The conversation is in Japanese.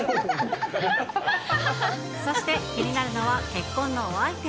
そして、気になるのは結婚のお相手。